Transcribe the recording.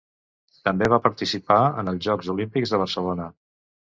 També va participar en els Jocs Olímpics de Barcelona.